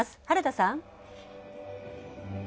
原田さん。